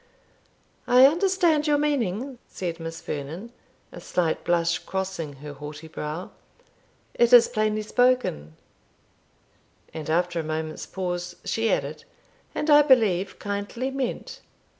"I understand your meaning," said Miss Vernon, a slight blush crossing her haughty brow; "it is plainly spoken;" and after a moment's pause she added, "and I believe kindly meant."